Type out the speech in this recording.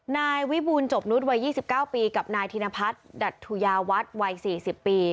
นายวิบูลจบนุษย์วัย๒๙ปีกับนายธินาพัทรดัตุดุยาวัดวัย๔๐ปี